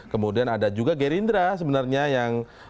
kemudian ada juga gerindra sebenarnya yang